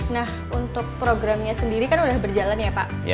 nah untuk programnya sendiri kan sudah berjalan ya pak